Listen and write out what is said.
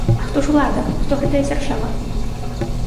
А хто ж улада, хто гэтая дзяржава?!